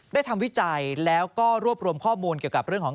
ทำวิจัยแล้วก็รวบรวมข้อมูลเกี่ยวกับเรื่องของ